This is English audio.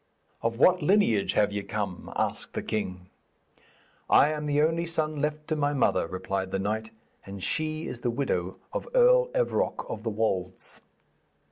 'Of what lineage have ye come?' asked the king. 'I am the only son left to my mother,' replied the knight, 'and she is the widow of Earl Evroc of the Wolds.'